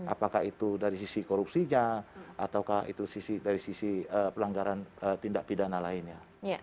apakah itu dari sisi korupsinya ataukah itu dari sisi pelanggaran tindak pidana lainnya